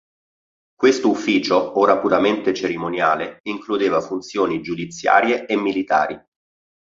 Questo ufficio ora puramente cerimoniale includeva funzioni giudiziarie e militari.